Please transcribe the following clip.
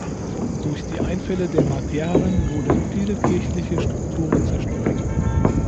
Durch die Einfälle der Magyaren wurden viele kirchliche Strukturen zerstört.